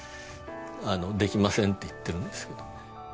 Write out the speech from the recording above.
あのできませんって言ってるんですけどね。